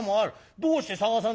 どうして探さねえ？